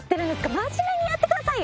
真面目にやってくださいよ！